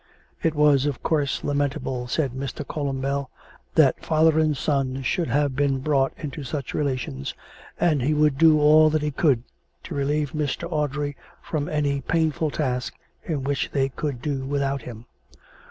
It was, of course, lamen table, said Mr. Columbell, that father and son should have been brought into such relations, and he would do all that he could to relieve Mr. Audrey from any painful task in which they could do without him.